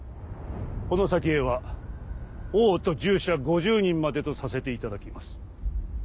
この先へは王と従者５０人までとさせていただきます。